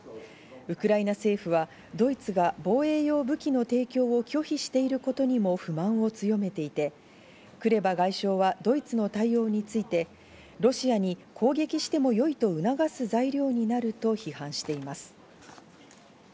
ウクライナ政府はドイツが防衛用武器の提供を拒否していることにも不満を強めていて、クレバ外相はドイツの対応について、ロシアに攻撃してもいいと促す材料になると批判しています。